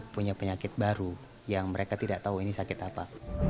punya penyakit baru yang mereka tidak tahu ini sakit apa